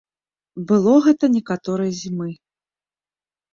Было гэта некаторай зімы.